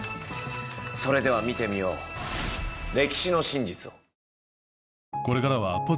それでは見てみよう歴史の真実を。